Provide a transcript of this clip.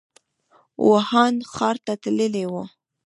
ووهان ښار ته تللی و.